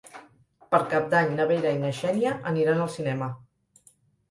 Per Cap d'Any na Vera i na Xènia aniran al cinema.